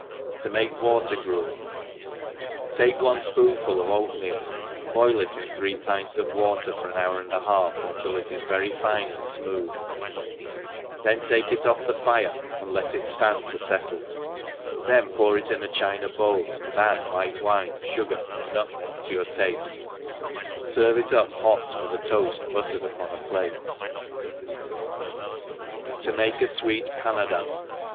«i$ THE EXPEJllBNCEO • 7*d mate Watek Qkvel. TAKE one fpoonfol of oatmeal^ boil it fq three pints of water for an hour and a half, or till it is fine and fmooth, then take it off the fire and let it ftand to fettle^ then pour it in a china bowl, and add white wine, fugar, and a nutmeg to your tafte, ferve it up hot yvrich a toaftbuttere^ Vpon a pUte^ ^0 mdkeafvseet Panai>o.